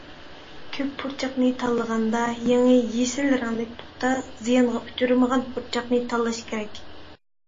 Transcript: كۆپ پۇرچاقنى تاللىغاندا، يېڭى يېشىل رەڭلىك، پۇختا، زىيانغا ئۇچرىمىغان پۇرچاقنى تاللاش كېرەك.